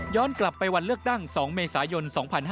กลับไปวันเลือกตั้ง๒เมษายน๒๕๕๙